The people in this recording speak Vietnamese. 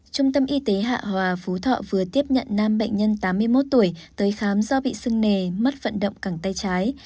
trung tâm y tế hạ hòa phú thọ vừa tiếp nhận năm bệnh nhân tám mươi một tuổi tới khám do bị sưng nề mất vận động cẳng tay trái